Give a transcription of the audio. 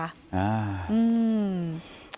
อ้าว